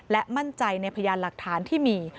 และมั่นใจในพยานหลักฐานที่มี